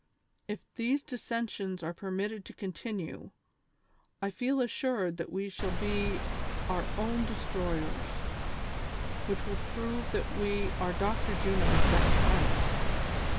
If these dissensions are permitted to continue, I feel assured that we shall be our own destroyers, which will prove that we are Dr. Juno's best friends.